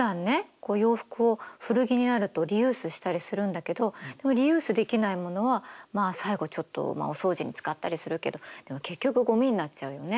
こう洋服を古着になるとリユースしたりするんだけどでもリユースできないものはまあ最後ちょっとお掃除に使ったりするけど結局ごみになっちゃうよね。